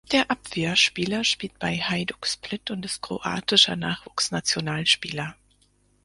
Der Abwehrspieler spielt bei Hajduk Split und ist kroatischer Nachwuchsnationalspieler.